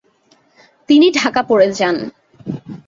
তিনি ঢাকা পড়ে যান।